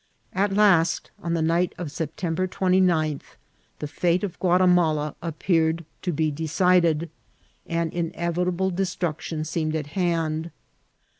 At last, on the night of September 29th, the fate of Gua timala appeared to be decided, and inevitable destruc* \ tion seemed to be at hand.